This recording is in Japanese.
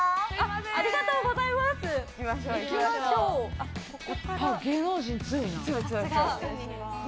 ありがとうございます。